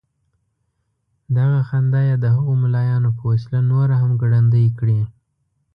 دغه خندا یې د هغو ملايانو په وسيله نوره هم ګړندۍ کړې.